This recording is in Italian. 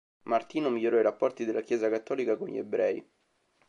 Martino migliorò i rapporti della Chiesa cattolica con gli ebrei.